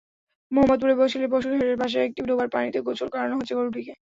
মোহাম্মদপুরের বসিলা পশুর হাটের পাশে একটি ডোবার পানিতে গোসল করানো হচ্ছে গরুটিকে।